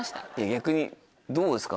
逆にどうですか？